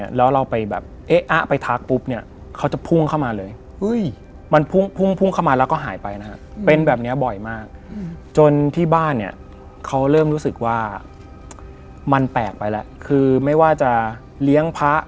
เอาไว้คอยช่วยเหลือตัวเอง